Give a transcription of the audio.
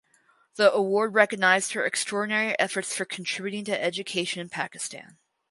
The award recognized her extraordinary efforts for contributing to education in Pakistan.